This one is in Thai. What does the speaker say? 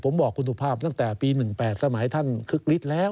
ผมบอกคุณสุภาพตั้งแต่ปี๑๘สมัยท่านคึกฤทธิ์แล้ว